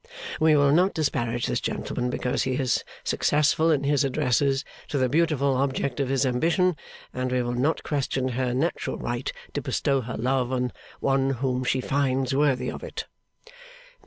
We will not disparage this gentleman, because he is successful in his addresses to the beautiful object of his ambition; and we will not question her natural right to bestow her love on one whom she finds worthy of it.